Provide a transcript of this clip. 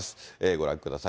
ご覧ください。